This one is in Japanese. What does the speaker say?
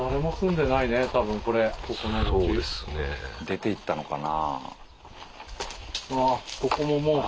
出ていったのかな？